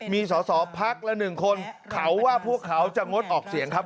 มีสอสอพักละ๑คนเขาว่าพวกเขาจะงดออกเสียงครับ